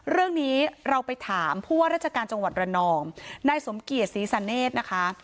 เรื่องนี้เราไปถามผู้ว่าราชการจังหวัดระนองนายสมเกียจศรีสันเนธนะคะ